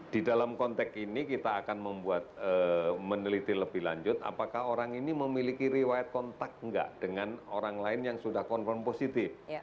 di dalam konteks ini kita akan membuat meneliti lebih lanjut apakah orang ini memiliki riwayat kontak enggak dengan orang lain yang sudah confirm positif